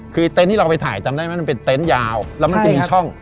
คือเต็นต์ที่เราไปถ่ายจำได้ไหมมันเป็นเต็นต์ยาวแล้วมันจะมีช่อง